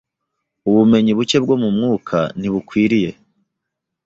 Ubumenyi buke bwo mu mwuka ntibukwiriye